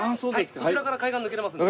そちらから海岸抜けれますので。